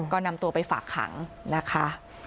ก็นำตัวไปฝากขังนะคะ